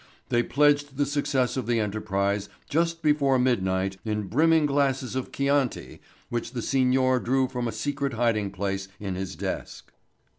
They pledged the success of the enterprise just before midnight in brimming glasses of Chianti which the signor drew from a secret hiding place in his desk.